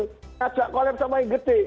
tidak ada collab sama yang besar